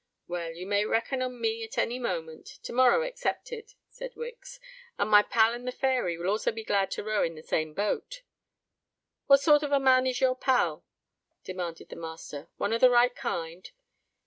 "Well, you may reckon on me at any moment—to morrow excepted," said Wicks; "and my pal in the Fairy will also be glad to row in the same boat." "What sort of a man is your pal?" demanded the master: "one of the right kind?"